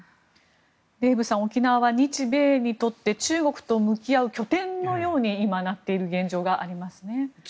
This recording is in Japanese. デーブさん沖縄は日米にとって中国と向き合う拠点のように今なっている現状がありますね。